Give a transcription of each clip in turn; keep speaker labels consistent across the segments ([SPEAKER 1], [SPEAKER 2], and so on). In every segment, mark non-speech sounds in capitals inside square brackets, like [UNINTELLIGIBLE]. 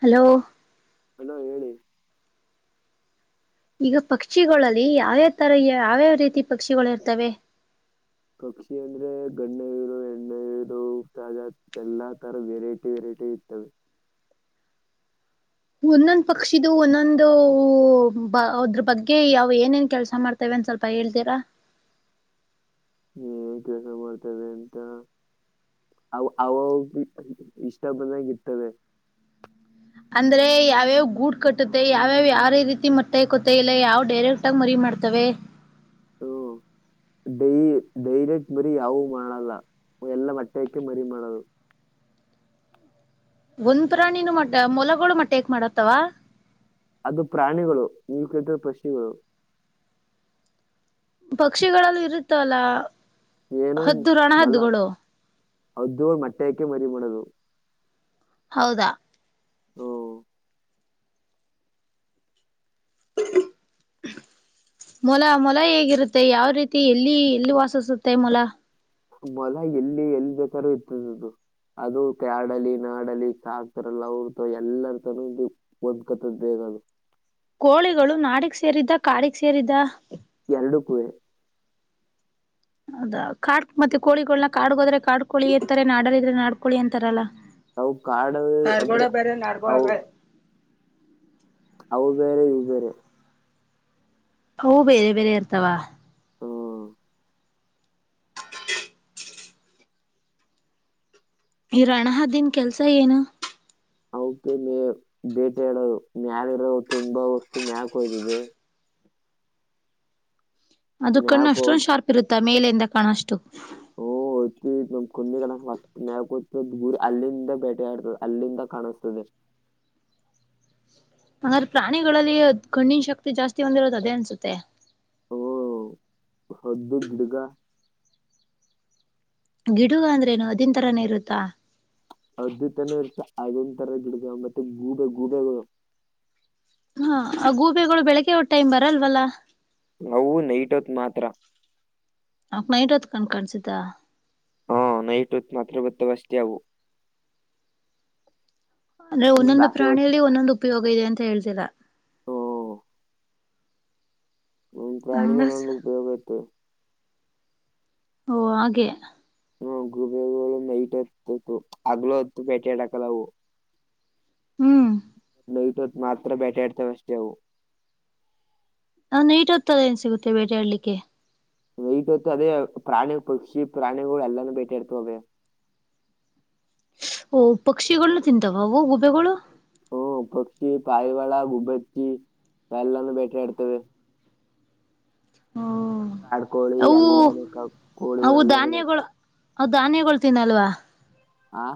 [SPEAKER 1] Hello
[SPEAKER 2] hello ಹೇಳಿ
[SPEAKER 1] ಈಗ ಪಕ್ಷಿಗಳಲ್ಲಿ ಯಾವ್ಯಾವ ತರ ಯಾವ್ಯಾವ ರೀತಿ ಪಕ್ಷಿಗಳು ಇರ್ತವೆ
[SPEAKER 2] ಗಂಡು ಹೆಣ್ಣು ಎಲ್ಲಾ ತರ ವೆರೈಟಿ ವೆರೈಟಿ ಇತವೆ
[SPEAKER 1] ಒಂದೊಂದ್ ಪಕ್ಷಿದು ಒಂದೊಂದು ಅದ್ರ ಬಗ್ಗೆ ಯಾವ ಏನೇನ್ ಕೆಲ್ಸ ಮಾಡ್ತೇವೆ ಒ್ ಸ್ವಲ್ಪ ಹೇಳ್ತೀರಾ
[SPEAKER 2] ಹ ಕೆಲಸ ಮಾಡ್ತೇವೆ ಅಂತ ಅವ ಅವ ಇಷ್ಟ ಬಂದಾಗಿರ್ತವೆ
[SPEAKER 1] ಅಂದ್ರೆ ಯಾವ್ಯಾವ್ ಗೂಡ್ ಕಟ್ಟುತ್ತೆ ಯಾವ್ಯಾವ್ ಯಾವ ರೀತಿ ಮೊಟ್ಟೆಕತ್ತ ಇಲ್ಲ ಯಾವ್ ಡೈರೆಕ್ಟ್ ಆಗ ಮರಿ ಮಾಡ್ತವೆ
[SPEAKER 2] ಹ್ಮ ಡೈ ಡೈರೆಕ್ಟ್ ಮರಿ ಯಾವ ಮಾಡಲ್ಲ ಎಲ್ಲ ಮೊಟ್ಟೆ ಯಕ್ಕೆ ಮರಿ ಮಾಡದು
[SPEAKER 1] [UNINTELLIGIBLE] ಒಂದರ ನೀನು ಮಟ್ಟೆ ಮೊಲಗಳು ಮಟ್ಟೆ ಯಕ್ ಮಾಡತ್ತವಾ
[SPEAKER 2] ಅದು ಪ್ರಾಣಿಗಳು ನೀವು ಕೇಳಿದ್ರ ಪಕ್ಷೀ ಗಳು
[SPEAKER 1] ಪಕ್ಷಿಗಳಲ್ಲ ಇರುತ್ತಲ್ಲ
[SPEAKER 2] ಏನೋ ಒಂದ್
[SPEAKER 1] ಹತ್ತು
[SPEAKER 2] ಮೊಲ
[SPEAKER 1] ರಣಹದುಗಳು
[SPEAKER 2] ಹದ್ದು ಮೊಟ್ಟೆಕೆ ಮರಿ ಮಾಡದು
[SPEAKER 1] ಹೌದಾ
[SPEAKER 2] ಹ
[SPEAKER 1] [INAUDIBLE] [UNINTELLIGIBLE] ಮೊಲ ಮೊಲ ಹೇಗಿರುತ್ತೆ ಯಾವ ರೀತಿ ಎಲ್ಲಿ ಎಲ್ಲಿ ವಾಸಿಸುತ್ತೆ ಮೊಲ
[SPEAKER 2] ಮೊಲ ಎಲ್ಲಿ ಎಲ್ಲಿ ಬೇಕಾದಾರೂ ಇರ್ತದದು ಅದು ಕಾಡಲ್ಲಿ ನಾಡಲಿ ಸಾಕ್ತಾರಲ್ಲ ಅವ್ರ ಎಲ್ಲರ ತನೂ ಒಂದ್ಕತದೇವ ಹೌದು
[SPEAKER 1] ಕೋಳಿಗಳು ನಾಡಿಗೆ ಸೇರಿದ್ದ ಕಾಡಿಗೆ ಸೇರಿದ್ದ
[SPEAKER 2] ಎರಡು ಕು
[SPEAKER 1] ಹೌದಾ ಕಾಡ್ ಮತ್ತೆ ಕೋಳಿ ಗಳನ್ನ ಕಾಡ್ಗೋದ್ರೆ ಕಾಡ್ ಕೋಳಿ ಇರ್ತಾರೆ ನಾಡರ್ ಇದ್ರೆ ನಾಡ್ಕೋಳಿ ಅಂತಾರಲ್ಲಾ
[SPEAKER 2] ಅವು ಕಾಡ
[SPEAKER 1] ನಡಗೋಲ್
[SPEAKER 2] ಅಂದ್ರೆ
[SPEAKER 1] ಬರೆ ನಾರ್ಗೋಳ
[SPEAKER 2] ಅವು
[SPEAKER 1] ಬ
[SPEAKER 2] ಅವು ಬೇರೆ ಇವು ಬೇರೆ
[SPEAKER 1] ಬೇರೆ ಬೇರೆ ಇರ್ತಾವ
[SPEAKER 2] ಹ್ಮ್
[SPEAKER 1] ಹ ಈ ರಣ ಹದ್ದಿನ ನ್ ಕೆಲ್ಸ ಏನು
[SPEAKER 2] ಅವಕ ಮೇ ಭೇಟೆ ಹೇಳದು ಮ್ಯಾಲರೋ ತುಂಬಾ ವಸ್ತು ಮ್ಯಾಕ್ ಹೊಯ್ದಿದೆ
[SPEAKER 1] ಅದ ಕಣ್ಣು
[SPEAKER 2] ಮ್ಯಾಕ್ ಹೋಗ್
[SPEAKER 1] ಅಷ್ಟೊಂದು ಶಾರ್ಪ್ ಇರುತ್ತ ಮೇಲಿಂದ ಕಾಣಷ್ಟು
[SPEAKER 2] ಹ್ಞೂ ನಮ್ ಕುಂದಿಗಳ ಸ್ಟ್ -ಮೇ- ಕತ್ ದೂರ ಅಲ್ಲಿಂದ ಬೇಟಿ ಆಡ್ತದೆ ಅಲ್ಲಿಂದ ಕಾಣಸ್ತದೆ.
[SPEAKER 1] [INAUDIBLE] [UNINTELLIGIBLE] ಹಾಗಂಗಾದ್ರೆ ಪ್ರಾಣಿಗಳಲ್ಲಿ ಕ ಣ್ಣಿನ ಶಕ್ತಿ ಜಾಸ್ತಿ ಹೊಂದಿರೋದು ಅದೇ ಅನ್ಸುತ್ತೆ
[SPEAKER 2] ಹ್ಞೂ ಹದ್ದು ಬಿಡ್ಗ
[SPEAKER 1] ಗಿಡಗ ಅಂದ್ರೇನು ಹದ್ದಿನ ತರಾನೇ ಇರುತ್ತಾ
[SPEAKER 2] ಹದ್ದು ತಾನೇ ಇರ್ತ ಅದೊಂಥರ ಗಿಡಗ ಮತ್ತೆ ಗೂಬೆ ಗೂಬೆಗಳು
[SPEAKER 1] ಹಾ ಆ ಗೂಬಿಗಳು ಬೆಳಿಗ್ಗೆ ಒನ್ ಟೈಮ್ ಬರಲ್ವಲ್ಲಾ
[SPEAKER 2] ನವು ನೈಟೊತ್ ಮಾತ್ರ
[SPEAKER 1] ಅವಕ್ ನೈಟ್ ಹೊತ್ ಕಣ್ಣ ಕಾಣಸಿದ
[SPEAKER 2] ಹಾ -ನೈಟ್ತ್ ಮಾತ್ರ ಬತ್ತ ಬಷ್ಟ ಅವು
[SPEAKER 1] ಅಂದ್ರೆ
[SPEAKER 2] ಇನ್
[SPEAKER 1] ಒಂದೊಂದು
[SPEAKER 2] ಬಾಕಿ ಹೊತ್ತು
[SPEAKER 1] ಪ್ರಾಣಿಯಲ್ಲಿ ಒಂದೊಂದು ಉಪಯೋಗ ಇದೆ ಅಂತ ಹೇಳ್ತಿರಾ.
[SPEAKER 2] ಹ್ಮ್-
[SPEAKER 1] ಹಂಗ
[SPEAKER 2] ಪ್ರಾಣಿಗಳಲ್ಲಿ ಉಪಯೋಗ ಇತ್ತು
[SPEAKER 1] ಓ -ಹಾಗೆ
[SPEAKER 2] ಹ್ಮ -ಗುಬೆಗಳು ನೈಟ್ ಹತ್ತತ್ತು ಆಗ್ಲೂ ಹತ್ತು ಪೇಟೆ ಆಡಕಲ್ಲವು.
[SPEAKER 1] ಹ್ಮ್
[SPEAKER 2] ನೈಟೂತ್ತು ಮಾತ್ರ ಬೇಟೆ ಆಡ್ತವೆ ಅಷ್ಟೇ ಅವು.
[SPEAKER 1] ಅ-ನೈಟ್ ಹೂತ್ತು ಏನ್ ಸಿಗುತ್ತೆ ಬೇಟೆ ಹಡ್ಲಿಕ್ಕೆ.
[SPEAKER 2] ನೈಟ್ ಹೊತ್ತು ಅದೇ ಪ್ರಾಣಿ ಪಕ್ಷಿ ಪ್ರಾಣಿಗಳು ಎಲ್ಲಾನೂ ಬೇಟಿ ಇಡ್ತವೆ.
[SPEAKER 1] ಓ- ಪಕ್ಷಿಗಳುನು ತಿಂತಾವ ಓ- ಗುಬೆಗಳು.
[SPEAKER 2] ಹ್ಮ- ಪಕ್ಷಿ ಪಾರಿವಾಳ ಗುಬ್ಬಚ್ಚಿ ಎಲ್ಲಾನೂ ಬೇಟೆ ಆಡ್ತೇವೆ.
[SPEAKER 1] [INAUDIBLE]
[SPEAKER 2] ಕಾಡ್ ಕೋಳಿ
[SPEAKER 1] ಅವು
[SPEAKER 2] ಎಲ್ಲ ಕೋಳಿಗಳು
[SPEAKER 1] ಅವು
[SPEAKER 2] ಎಲ್ಲ- ಬ
[SPEAKER 1] ಧಾನ್ಯಗಳು ಅವು ಧಾನ್ಯಗಳು ತಿನ್ನಲ್ವಾ.
[SPEAKER 2] ಆ-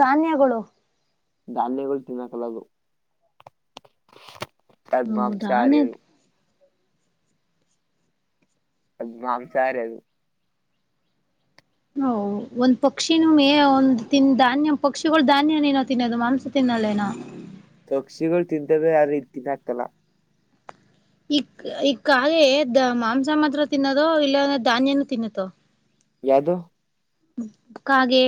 [SPEAKER 1] ಧಾನ್ಯಗಳು
[SPEAKER 2] ಧಾನ್ಯಗಳು ತಿನ್ನಕಲ್ಲದು
[SPEAKER 1] ಹ್ಮ
[SPEAKER 2] ಪದ್ಮಾಂ ಸಾರ
[SPEAKER 1] ಧಾನ್ಯ
[SPEAKER 2] ಅದ ಮಾಂಸಾರ ಅದು.
[SPEAKER 1] ಹ- ಒಂದ್ ಪಕ್ಷಿ -ಮೇ -ಒಂದ ತಿನ್ ಧಾನ್ಯ ಪಕ್ಷಿಗಳು ಧಾನ್ಯಏನೋ ತಿನ್ನೋದು ಮಾಂಸ ತಿನ್ನ ನಳನ
[SPEAKER 2] ಪಕ್ಷಿಗಳು ತಿಂತವೆ- ಆ -ರೀ- ತಿನ್ನಾತಲ್ಲ
[SPEAKER 1] ಈಕ್ ಈಕ್ಕ ಹಾಗೆ ದ ಮಾಂಸ ಮಾತ್ರ ತಿನ್ನದೋ ಇಲ್ಲಾಂದ್ರೆ ಧಾನ್ಯನು ತಿನ್ನತ್ತೋ
[SPEAKER 2] ಯಾದು
[SPEAKER 1] ಕಾಗೆ.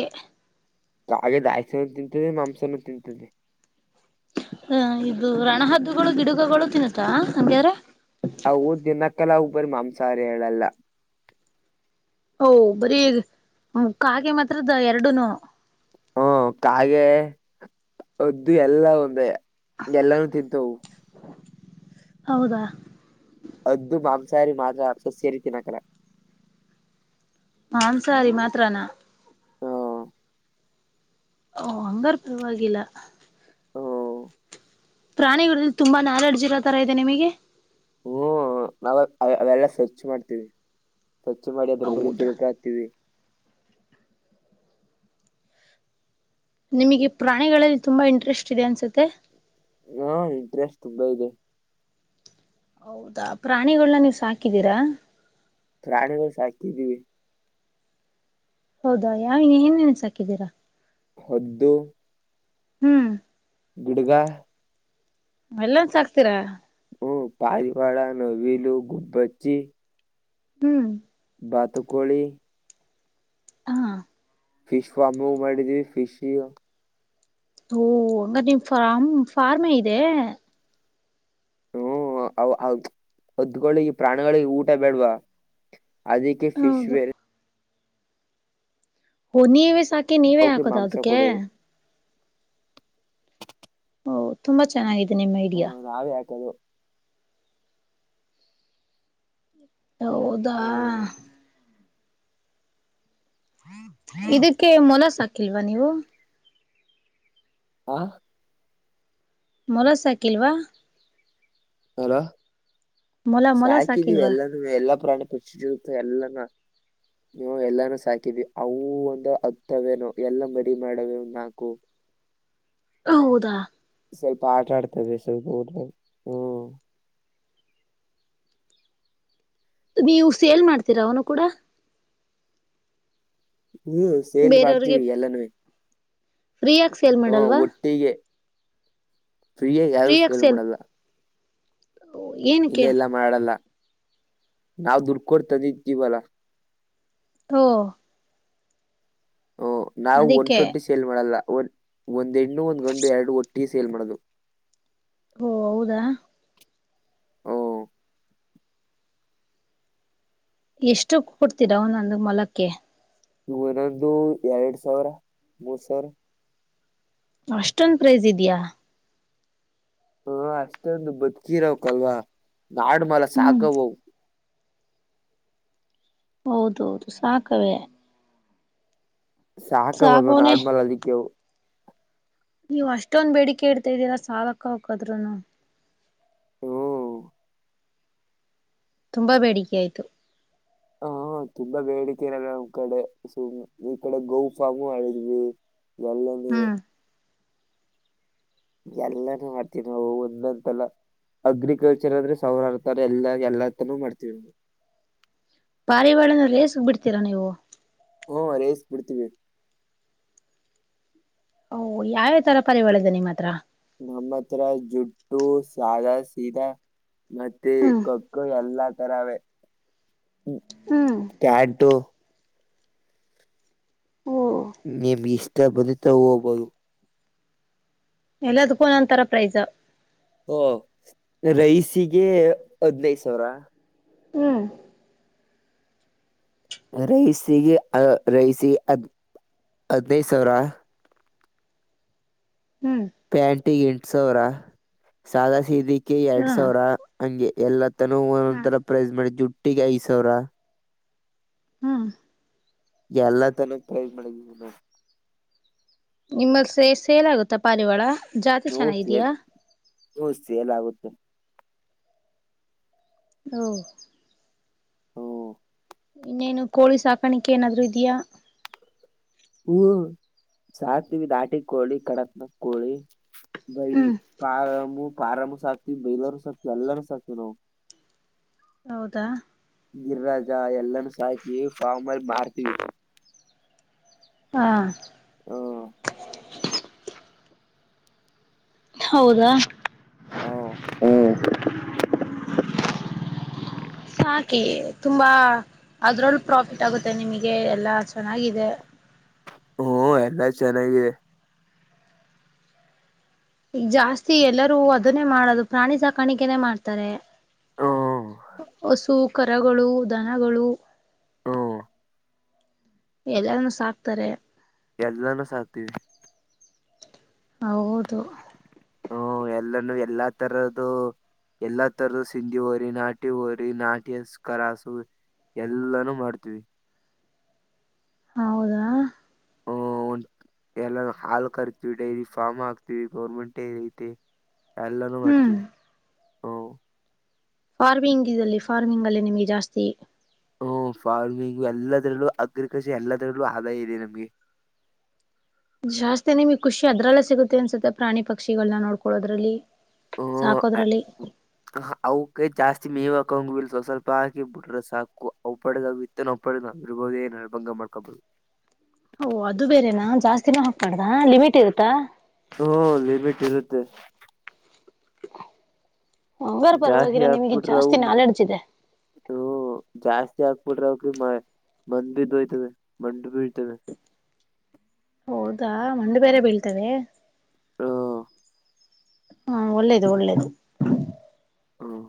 [SPEAKER 2] ಕಾಗೆ ದಾನ್ಯಾ ತಿಂತದೆ ಮಾಂಸನ ತಿಂತದೆ.
[SPEAKER 1] ಹ- ಇದು ರಣಹದ್ದುಗಳು ಗಿಡಗಗಳು ತಿನ್ನುತ್ತಾ ಹಂಗ್ಯಾರ
[SPEAKER 2] ಅವು ದಿನಕಲಾ ಉಬ್ಬರ ಮಾಂಸಾಹಾರಿ ಹೇಳಲ್ಲ
[SPEAKER 1] ಓ -ಬರೀ ಕಾಗೆ ಮಾತ್ರದ ಎರಡುನು.
[SPEAKER 2] ಹ್ಮ -ಕಾಗೆ ಹದ್ದು ಎಲ್ಲ ಒಂದೇ. ಎಲ್ಲಾನು ತಿಂತವು.
[SPEAKER 1] ಹೌದಾ.
[SPEAKER 2] ಅದ್ದು ಮಾಂಸಾರಿ ಮಾದ ಸಸ್ಯರಿತಿನಕರ.
[SPEAKER 1] ಮಾಂಸಾಹಾರಿ ಮಾತ್ರನಾ.
[SPEAKER 2] ಹುಂ-.
[SPEAKER 1] ಓ- ಹಂಗಾರ ಪರವಾಗಿಲ್ಲ
[SPEAKER 2] ಹ. -
[SPEAKER 1] ಪ್ರಾಣಿಗಳದ್ದು ತುಂಬಾ ನಾಲೆಡ್ಜ್ ಇರ ತರ ಇದೆ ನಿಮಗೆ.
[SPEAKER 2] ಹ್ಮ್- ನಾವ ಅವೇ ಅವೆಲ್ಲ ಸರ್ಚ್ ಮಾಡ್ತೀವಿ. ಸ್ವಚ್ಛ ಮಾಡಿ ಅದ್ರ ಬಗ್ಗೆ
[SPEAKER 1] ಹೌದಾ
[SPEAKER 2] ತಿಳ್ಕಾ ಹಕ್ತೀವಿ.
[SPEAKER 1] ನಿಮಗೆ ಪ್ರಾಣಿಗಳಲ್ಲಿ ತುಂಬಾ ಇಂಟ್ರೆಸ್ಟ್ ಇದೆ ಅನ್ಸುತ್ತೆ.
[SPEAKER 2] ಹಾ ಇಟ್ರೆಷ್ಟ ತುಂಬ ಇದೆ
[SPEAKER 1] ಹೌದಾ ಪ್ರಾಣಿಗಳನ್ನ ನೀವು ಸಾಕಿದೀರಾ.
[SPEAKER 2] ಪ್ರಾಣಿಗಳು ಸಾಕಿದ್ದೀವಿ.
[SPEAKER 1] ಹೌದಾ ಯಾವ ಏನ ಸಾಕಿದ್ದೀರಾ.
[SPEAKER 2] ಹೊದ್ದು.
[SPEAKER 1] ಹ್ಮ್-.
[SPEAKER 2] ಗಿಡುಗ
[SPEAKER 1] ಎಲ್ಲ-ನು -ಸಾಕ್ತೀರಾ.
[SPEAKER 2] ಹ -ಪಾರಿವಾಳ ನವಿಲು ಗುಬ್ಬಚ್ಚಿ.
[SPEAKER 1] ಹುಂ
[SPEAKER 2] ಬಾತುಕೋಳಿ
[SPEAKER 1] ಹಾ
[SPEAKER 2] ಫಿಶ್ ಫಾರ್ಮ್ ಹ ಮಾಡಿದೀವಿ ಫಿಶ್
[SPEAKER 1] ಓ ಹಂಗ ನಿಮ್ ಫ್ಮ್ ಫಾರ್ಮ ಇದೆ
[SPEAKER 2] ಹ್ಮ್ ಹೊದ್ದಕೊಳ್ಳಿ ಈ ಪ್ರಾಣಿಗಳಿಗೆ ಊಟ ಬೇಡ್ವಾ ಅದಕ್ಕೆ ಫಿಶ್
[SPEAKER 1] ಹೌದು
[SPEAKER 2] ವರೆ
[SPEAKER 1] ಹೊ ನೀವೇ ಸಾಕಿ ನೀವೇ
[SPEAKER 2] ಅವಕ್ಕೆ
[SPEAKER 1] ಹಾಕದ
[SPEAKER 2] ಮಾಂಸ
[SPEAKER 1] ಅದಕ್ಕೆ
[SPEAKER 2] ಕೊಡೋದು
[SPEAKER 1] ಓ ತುಂಬಾ ಚೆನ್ನಾಗಿದೆ ನಿಮ್ಮ ಐಡಿಯಾ
[SPEAKER 2] ಹ್ಮ್, ನಾವೇ ಹಾಕೋದು
[SPEAKER 1] ಹೌದಾ
[SPEAKER 2] ಹ್ಮ್.
[SPEAKER 1] ಇದಕ್ಕೆ ಮೊಲ ಸಾಕಿಲ್ವಾ ನೀವು
[SPEAKER 2] ಆ
[SPEAKER 1] ಮೊಲಾರ್ಸೈಕಿಲ್ವಾ
[SPEAKER 2] ಅಲೋ
[SPEAKER 1] ಮೊಲ ಮೊಲ
[SPEAKER 2] ಸಾಕಿದೀವಿ
[SPEAKER 1] ಸಾಕಿಲ್ವಾ
[SPEAKER 2] ಎಲ್ಲ ಎಲ್ಲ ಪ್ರಾಣ ಪಕ್ಷಿರುತ್ತ ಎಲ್ಲಾನ ನೀವು ಎಲ್ಲಾನೂ ಸಾಕಿದವಿ ಅವು ಒಂದು ಹತ್ತವೇನೋ ಎಲ್ಲ ಮರಿ ಮಾಡವೇ ಒ ನಾಲ್ಕು
[SPEAKER 1] ಹೌದಾ
[SPEAKER 2] ಸ್ವಲ್ಪ ಆಟ ಆಡ್ತವೆ ಸ್ವಲ್ಪ ಊಟ ಹ್ಮ
[SPEAKER 1] ನೀವು ಸೇಲ್ ಮಾಡ್ತೀರಾ ಅವನು ಕೂಡ
[SPEAKER 2] ಹ್ಮ ಸೇಲ್
[SPEAKER 1] ಬೇರೆಯವ್ರಿಗೆ
[SPEAKER 2] ಮಾಡ್ತೀವಿ ಎಲ್ಲಾನ
[SPEAKER 1] ಫ್ರೀಯಾಗಿ ಸೇಲ್
[SPEAKER 2] ಹ
[SPEAKER 1] ಮಾಡಲ್ವಾ
[SPEAKER 2] ಒಟ್ಟಿಗೆ ಫ್ರೀಯಾಗಿ ಯಾರು ಸೇಲ್ ಮಾಡಲ್ಲ ಇಲ್ಲ
[SPEAKER 1] ಏನಕ್ಕೆ
[SPEAKER 2] ಎಲ್ಲಾ ಮಾಡಲ್ಲ ನಾವ್ ದುಡ್ಕೋಡ್ತಂದಿದ್ದೀವಲ್ಲ
[SPEAKER 1] ಹ
[SPEAKER 2] ಹ ನಾವು ಒನ್
[SPEAKER 1] ಅದಕ್ಕೆ
[SPEAKER 2] ಟ್ವೆಂಟಿ ಸೇಲ್ ಮಾಡಲ್ಲ ಒ ಒಂದ್ ಹೆಣ್ಣು ಒಂದ್ ಗಂಡು ಎರಡು ಒಟ್ಟಿ ಸೇಲ್ ಮಾಡೋದು
[SPEAKER 1] ಓ ಹೌದಾ
[SPEAKER 2] ಹ್ಮ
[SPEAKER 1] ಎಷ್ಟು ಕೊಡ್ತೀರಾ ಒಂದೊಂದು ಮೊಲಕ್ಕೆ
[SPEAKER 2] ಇನೊಂದು ಎರಡು ಸಾವಿರ ಮೂರು ಸಾವಿರ
[SPEAKER 1] ಅಷ್ಟೊಂದ ಪ್ರೈಜ ಇದ್ಯಾಾ
[SPEAKER 2] ಹಾ ಅಷ್ಟೊಂದು ಬತ್ಕೀರಕ್ಲ್ವಾ ನಾಡ್್ಮಾಲ
[SPEAKER 1] ಹ್ಮ್
[SPEAKER 2] ಸಾಕವವು
[SPEAKER 1] ಹೌದೌದು ಸಾಕವೇ
[SPEAKER 2] ಸಾಕ ಬ ನ
[SPEAKER 1] ಸಾಕವನೇ
[SPEAKER 2] ಆಡ್ಮಲ್ ಅಲ್ಲಿಕ್ಕೆವು
[SPEAKER 1] ನೀವು್ ಅಷ್ಟೊಂದ ಬೇಡಿಕೆ ಇಡ್ತಾ ಇದ್ದೀರಾ ಸಾಲಕ್ಕ ಹಕದ್ರುನು
[SPEAKER 2] ಹ್ಮ
[SPEAKER 1] ತುಂಬಾ ಬೇಡಿಕೆ ಆಯ್ತು
[SPEAKER 2] ಹ್ಮ ತುಂಬಾ ಬೇಡಿಕೆನಲ್ಲ ನ್ ಕಡೆ ಸು ಈ ಕಡೆ ಗೋ ಫಾರಾಮು ಆಳಿದ್ವಿ ನಲ್ಲದ
[SPEAKER 1] ಹ್ಮ್
[SPEAKER 2] ಎಲ್ಲಾನ ಮಾಡ್ತೀವಿ ನಾವು ಒಂದಂತಲ್ಲ ಅಗ್ರಿಕಲ್ಚರ್ ಅಂದ್ರೆ ಸೌರಾರತಾರ ಎಲ್ಲ ಎಲ್ಲ ತನೂ ಮಾಡ್ತೀವಿ ನಾವು
[SPEAKER 1] ಪಾರಿವಾಳನ ರೇಸಗ್ ಬಿಡ್ತೀರಾ ನೀವು
[SPEAKER 2] ಹ್ಮ ರೇಸ್ ಬಿಡ್ತೀವಿ
[SPEAKER 1] ಓ ಯಾವ್ಯಾವ ತರ ಪರಿ ಒಳದ ನಿಮ್ಮ ಹತ್ರ
[SPEAKER 2] ನಮ್ಮತ್ರ ಜುಟ್ಟು ಸಧ ಸೀದಾ ಮತ್ತೆ
[SPEAKER 1] ಹ್ಮ್
[SPEAKER 2] ಖೊಖೋ ಎಲ್ಲಾ ತರವೇ
[SPEAKER 1] ಹ್ಮ್
[SPEAKER 2] ಕ್ಯಾಟು
[SPEAKER 1] ಓ
[SPEAKER 2] ನಿಮ್ಗೆ ಇಷ್ಟ ಬಂದಿತಾವ ಹೋಗಬರು
[SPEAKER 1] ಎಲ್ಲದಕನಂತರ ಪ್ರೈಸ
[SPEAKER 2] ಓ ರೈಸಿಗೆ ಹದ್ಿನೈದು ಸಾವಿರ
[SPEAKER 1] ಹ್ಮ
[SPEAKER 2] ರೈಸಿಗೆ ರೈಸಿಗೆ ಹದ್ ಹದ್ನೈದು ಸಾವಿರ
[SPEAKER 1] ಹ್ಮ್ [INAUDIBLE]
[SPEAKER 2] ಇಗ ಎಂಟು ಸಾವಿರ ಸಾದಾ ಸೀದಿಕೆಎರಡ್
[SPEAKER 1] ಹಾ
[SPEAKER 2] ಸಾವಿರ. - ಹಂಗೆ ಎಲ್ಲ ತನೂ ಒಂದ
[SPEAKER 1] ಹಾ
[SPEAKER 2] ತರ ಪ್ರೈಸ್ ಮಾಡಿದ್ದು ಹ [UNINTELLIGIBLE] ಟ್ಟಿಗೆ ಐದ್ ಸಾವಿರ
[SPEAKER 1] ಹ್ಮ್
[SPEAKER 2] ಎಲ್ಲದ ಕನುಪ್ರೈಸ್ ಮಾಡಿದ್ದೀವಿ ನಾವು
[SPEAKER 1] ನಿಮ್ಮಲ್ಲಿ ಸೇ, ಸೇಲ್ ಆಗುತ್ತಾ ಪಾರಿವಾಳ ಜಾತಿ
[SPEAKER 2] ಹ್ಮ್
[SPEAKER 1] ಚೆನ್ನಾಗಿದಿಯಾ.
[SPEAKER 2] ಸೇಲ್ ಹ್ಮ್ ಸೇಲ್ ಆಗುತ್ತೆ.
[SPEAKER 1] ಹೌ [INAUDIBLE]
[SPEAKER 2] ಹ್ಮ್
[SPEAKER 1] ಇನ್ನೇನು ಕೋಳಿ ಸಾಕಾಣಿಕೆ ಏನಾದ್ರು ಇದ್ಯಾ,
[SPEAKER 2] ಹ್ಮ್, ಸಾಕ ತೀನಿ ನಾಟಿ ಕೋಳಿ, ಕಡಕ್ ಕೋಳಿ ಬೈ
[SPEAKER 1] ಹ್ಮ್
[SPEAKER 2] ಕಾರ [INAUDIBLE] [UNINTELLIGIBLE] ಪಾರಮ್ಸಾಕ್ತಿವಿ, ಬೈಲರು ಸಾಕ್ತಿವಿ ಎಲ್ಲರೂ ಸಾಕ್ತಿವಿ ನಾವು.
[SPEAKER 1] ಹೌದಾ,
[SPEAKER 2] ಗಿಳಿರಾಜ ಎಲ್ಲನೂ ಸಾಯಿಯ ಫಾರ್ಮಲ್ ಮಾರ್ತೀವಿ.
[SPEAKER 1] ಹಾ,
[SPEAKER 2] ಹ್ಮ್
[SPEAKER 1] ಹೌದಾ,
[SPEAKER 2] ಹ್ಮ್
[SPEAKER 1] ಹ್ಮ್ ಸಾಕಿ ತುಂಬಾ ಅದ್ರಲ್ಲು ಪ್ರಾಫಿಟ್ ಆಗುತ್ತೆ ನಿಮಗೆ ಎಲ್ಲಾ ಚೆನ್ನಾಗಿದೆ. [INAUDIBLE]
[SPEAKER 2] ಒ, ಎಲ್ಲಾ ಚೆನ್ನಾಗಿ
[SPEAKER 1] ಈ ಜಾಸ್ತಿ ಎಲ್ಲರೂ ಅದನ್ನೇ ಮಾಡದು ಪ್ರಾಣಿ ಸಾಕಾಣಿಕೆನೇ ಮಾಡ್ತಾರೆ.
[SPEAKER 2] ಹ್ಮ್
[SPEAKER 1] ಹಸು, ಕರಗಳು, ದನಗಳು
[SPEAKER 2] ಹ್ಮ್
[SPEAKER 1] ಎಲ್ಲಾನು ಸಾಕ್ತಾರೆ.
[SPEAKER 2] ಎಲ್ಲಾನೂ ಸಾಕ್ತೀವಿ.
[SPEAKER 1] ಹೌದು,
[SPEAKER 2] ಒ, ಎಲ್ಲಾನೂ ಎಲ್ಲಾ ತರದ್ದು. ಎಲ್ಲಾ ತರದು ಸಿಂಧಿ ಹೋರಿ, ನಾಟಿ ಹೋರಿ ನಾಟಿಕರಾಸು. ಎಲ್ಲಾನೂ ಮಾಡ್ತೀವಿ.
[SPEAKER 1] ಹೌದಾ,,
[SPEAKER 2] ಎಲ್ಲಾ ಹಾಲ್ ಕರಿತಿವಿ, ಡೈರಿ ಫಾರ್ಮ್ ಹಾಕ್ತೀವಿ, ಗೌರ್ಮೆಂಟ್ ಐತೆ. ಎಲ್ಲಾರೂ
[SPEAKER 1] ಹ್ಮ್
[SPEAKER 2] ಮಾಡ್ತೀ ವಿ. ಒ
[SPEAKER 1] ಫಾರ್ಮಿಂಗ್ ಇದಲ್ಲಿ, ಫಾರ್ಮಿಂಗ್ ಅಲ್ಲಿ ನಿಮ್ಗೆ ಜಾಸ್ತಿ
[SPEAKER 2] ಹ್ಮ್, ಫಾರ್ಮಿಂಗ್ ಎಲ್ಲದರಲ್ಲೂ, ಅಗ್ರಿಕಲ್ಚರ್ ಎಲ್ಲದ್ರಲ್ಲೂ ಆದಾಯ ಇದೆ ನಮ್ಗೆ.
[SPEAKER 1] ಹ [INAUDIBLE] ಜಾಸ್ತಿ ನಿಮ್ಗ್ ಖುಷಿ ಅದ್ರಲ್ಲೆ ಸಿಗುತ್ತೆ ಅನ್ಸುತ್ತೆ. ಪ್ರಾಣಿ ಪಕ್ಷಿಗಳನ್ನ ನೋಡ್ಕೊಳೋದ್ರಲ್ಲಿ.
[SPEAKER 2] ಹ್ಮ [UNINTELLIGIBLE] ಅವಕೆ ಜಾಸ್ತಿ ಮೇವ್ ಂಗಲ್ ಸ್ವ, ಸ್ವಲ್ಪ ಹಾಕಿ ಬಿಟ್ರೆ ಸಾಕು ಅವುಪಾಡಿಗ ಅವುತಿಂತವ. [UNINTELLIGIBLE] ಒಪ್ಪಡ ಆಿರಬಹುದೇಭಂಗ ಮಾಡ್ಕೊಬಹುದು
[SPEAKER 1] ಓ, ಅದು ಬೇರೆನಾ ಜಾಸ್ತಿನ ಹಾಕಬಾರ್ದ ಲಿಮಿಟ್ ಇರುತ್ತಾ.,
[SPEAKER 2] ಅತ್ತ [INAUDIBLE]
[SPEAKER 1] ಹಂಗಾರ
[SPEAKER 2] ಜಾಸ್ತಿ
[SPEAKER 1] ಪರವಾಗಿಲ್ಲ ನಿಮಗೆ
[SPEAKER 2] ಆಕ್ಬಿಟ್ರ
[SPEAKER 1] ಜಾಸ್ತಿ
[SPEAKER 2] ಮ
[SPEAKER 1] ನಾಲೆಡ್ಜ್ ಇದೆ
[SPEAKER 2] ಹ ಜಾಸ್ತಿ ಆಕ್ [UNINTELLIGIBLE] ಮ ಮಂದ ಭ ದೋಯತದೆ ಮಂಡ ಬಿ ಇ [UNINTELLIGIBLE]
[SPEAKER 1] ಹೌದಾ, ಮಂಡ್ ಬೇರೆ ಬೀಳ್ತವೆ.
[SPEAKER 2] ಹಾ,,
[SPEAKER 1] ಹಾ, ಒಳ್ಳೇದು -ಒಳ್ಳೇದು.
[SPEAKER 2] ಹ್ಮ